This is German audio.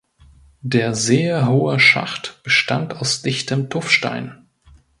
Der sehr hohe Schacht bestand aus dichtem Tuffstein.